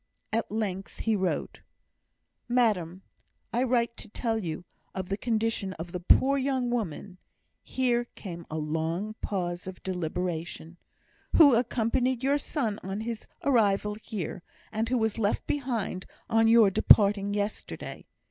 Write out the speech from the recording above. At length he wrote: MADAM, I write to tell you of the condition of the poor young woman [here came a long pause of deliberation] who accompanied your son on his arrival here, and who was left behind on your departure yesterday.